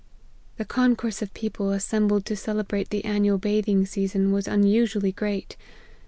" The concourse of people assembled to cele brate the annual bathing season, was unusually great.